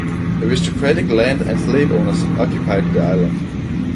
Aristocratic land and slave owners occupied the island.